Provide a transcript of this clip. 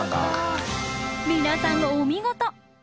皆さんお見事！